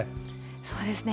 そうですね。